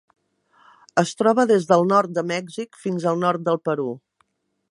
Es troba des del nord de Mèxic fins al nord del Perú.